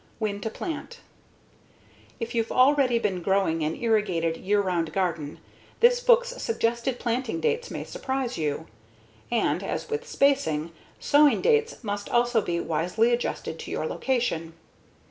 When to Plant If you've already been growing an irrigated year round garden, this book's suggested planting dates may surprise you. And as with spacing, sowing dates must also be wisely adjusted to your location.